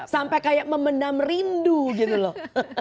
sampai kayak membenam rindu gitu loh